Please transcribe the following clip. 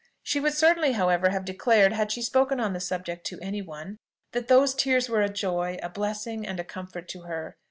She would certainly, however, have declared, had she spoken on the subject to any one, that those tears were a joy, a blessing, and a comfort to her.